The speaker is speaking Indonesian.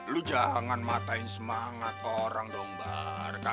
lo jangan matain semangat orang dombar